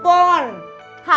hp yang ditinggal